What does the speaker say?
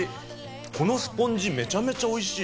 このスポンジ、めちゃめちゃおいしい。